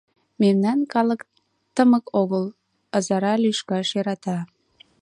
Мемнан калык тымык огыл, ызыра лӱшкаш йӧрата...